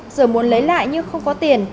rồi muốn lấy lại nhưng không có tiền